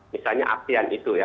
misalnya asean itu ya